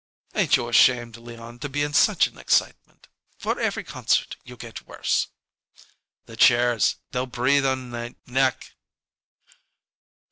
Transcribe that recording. "Ain't you ashamed, Leon, to be in such an excitement! For every concert you get worse." "The chairs they'll breathe on nay neck."